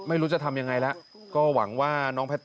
ไม่รู้จะทำยังไงล่ะก็หวังว่าน้องแพทตี้